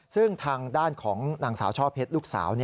ซึ่งทางด้านของนางสาวช่อเพชรลูกสาว